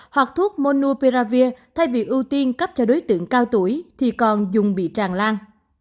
hoặc thuốc monuperavir thay vì ưu tiên cấp cho đối tượng cao tuổi thì còn dùng bị tràn lan